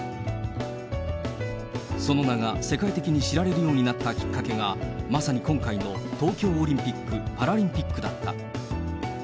その名が世界的に知られるようになったきっかけが、まさに今回の東京オリンピック・パラリンピックだった。